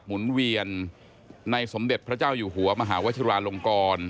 หุ่นเวียนในสมเด็จพระเจ้าอยู่หัวมหาวชิราลงกร